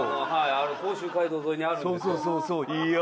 甲州街道沿いにあるんですよ。